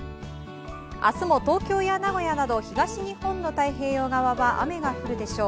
明日も東京や名古屋など東日本の太平洋側は雨が降るでしょう。